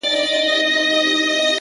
• پکښي نه ورښکارېدله خپل عیبونه ,